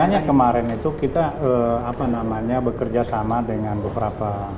makanya kemarin itu kita bekerja sama dengan beberapa